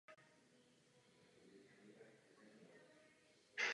Svému zranění v příštích měsících podlehl.